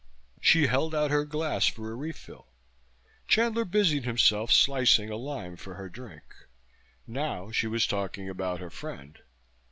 She held out her glass for a refill. Chandler busied himself slicing a lime for her drink. Now she was talking about her friend.